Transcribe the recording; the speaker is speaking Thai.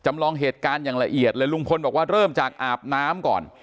จำลองเหตุการณ์อย่างละเอียดเริ่มจากอาบน้ำก่อน